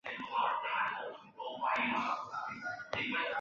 成泰四年。